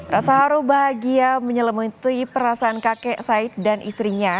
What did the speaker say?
rasa haru bahagia menyelemutui perasaan kakek said dan istrinya